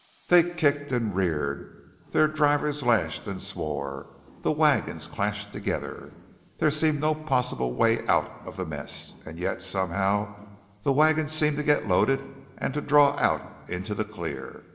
They kicked and reared, their drivers lashed and swore, the wagons clashed together. There seemed no possible way out of the mess; and yet somehow the wagons seemed to get loaded and to draw out into the clear.